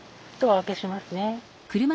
お開けしますね。